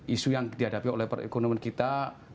isu yang dihadapi oleh perekonomian kita